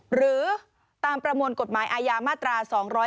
หรือตามประมวลกฎหมายอาญามาตรา๒๗